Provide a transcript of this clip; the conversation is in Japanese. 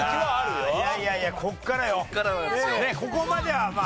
ここまではまあ。